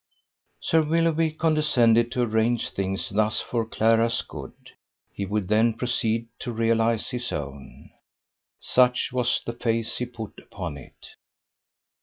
Sir Willoughby condescended to arrange things thus for Clara's good; he would then proceed to realize his own. Such was the face he put upon it.